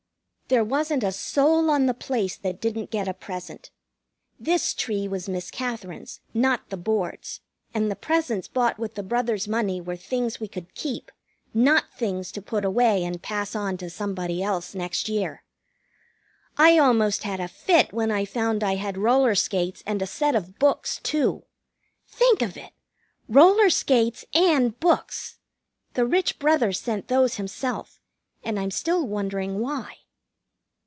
There wasn't a soul on the place that didn't get a present. This tree was Miss Katherine's, not the Board's, and the presents bought with the brother's money were things we could keep. Not things to put away and pass on to somebody else next year. I almost had a fit when I found I had roller skates and a set of books too. Think of it! Roller skates and books! The rich brother sent those himself, and I'm still wondering why.